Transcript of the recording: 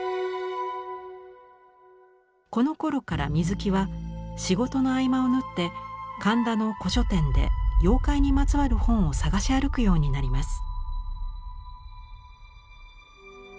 このころから水木は仕事の合間をぬって神田の古書店で妖怪にまつわる本を探し歩くようになります。